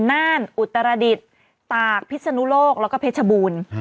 น่านอุตรดิษฐ์ตากพิศนุโลกแล้วก็เพชรบูรณ์